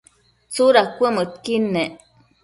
tsuda cuëmëdqui nec?